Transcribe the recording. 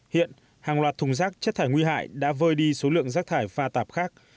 hiện hàng loạt thùng rác chất thải nguy hại đã vơi đi số lượng rác thải pha tạp khác